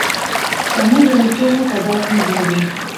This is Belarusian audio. Таму я нічога казаць не буду.